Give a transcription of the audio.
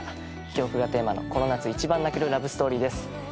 記憶がテーマのこの夏一番泣けるラブストーリーです。